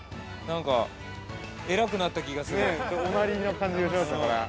◆なんか、偉くなった気がする。